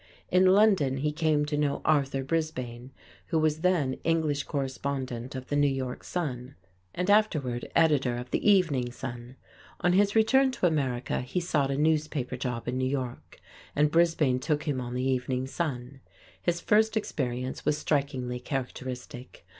In London he came to know Arthur Brisbane, who was then English correspondent of the New York Sun, and afterward editor of the Evening Sun. On his return to America he sought a newspaper job in New York, and Brisbane took him on the Evening Sun. His first experience was strikingly characteristic.